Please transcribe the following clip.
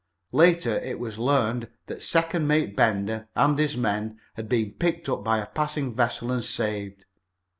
Later it was learned that Second Mate Bender and his men had been picked up by a passing vessel and saved.